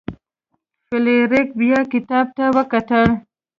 فلیریک بیا کتاب ته وکتل.